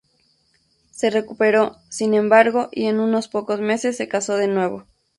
Se recuperó, sin embargo, y en unos pocos meses se casó de nuevo.